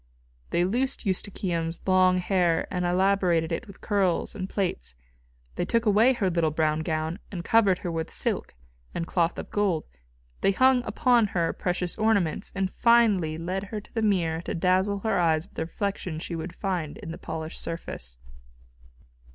They loosed Eustochium's long hair and elaborated it in curls and plaits; they took away her little brown gown and covered her with silk and cloth of gold; they hung upon her precious ornaments, and finally led her to the mirror to dazzle her eyes with the reflection she would find in the polished surface.